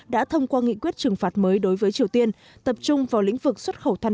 đã thông qua nghị quyết trừng phạt mới đối với triều tiên tập trung vào lĩnh vực xuất khẩu than